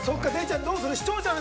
どうする？